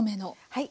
はい。